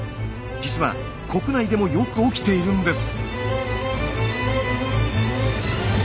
実は国内でもよく起きているんです。